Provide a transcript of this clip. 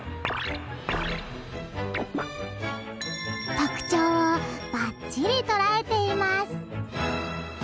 特徴をバッチリ捉えています